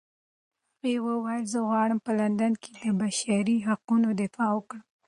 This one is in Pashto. هغې وویل چې زه غواړم په لندن کې د بشري حقونو دفاع وکړم.